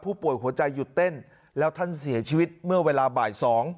หัวใจหยุดเต้นแล้วท่านเสียชีวิตเมื่อเวลาบ่าย๒